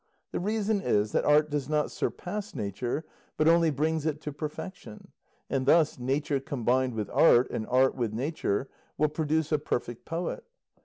The reason is, that art does not surpass nature, but only brings it to perfection; and thus, nature combined with art, and art with nature, will produce a perfect poet.